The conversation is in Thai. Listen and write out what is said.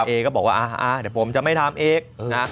เอ๊กก็บอกว่าอะเดี๋ยวผมจะไม่ทำเอ๊ก